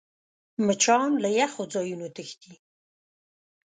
مچان له یخو ځایونو تښتي